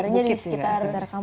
larinya di sekitar kampus